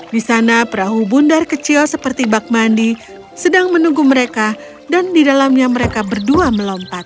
di sana perahu bundar kecil seperti bak mandi sedang menunggu mereka dan di dalamnya mereka berdua melompat